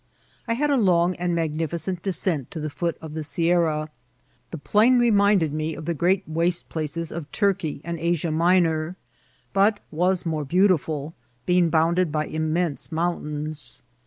I had a long and magnificent descent to the foot of the Sierra. The plain reminded me of the great waste places of Turkey and Asia Minor, but was more beautiful, being bounded by immense mountains.